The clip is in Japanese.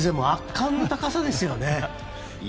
圧巻の高さですよね。